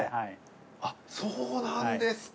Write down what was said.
あっそうなんですか